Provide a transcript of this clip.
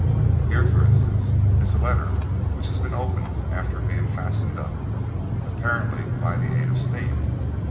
Here, for instance, is a letter which has been opened after being fastened up apparently by the aid of steam.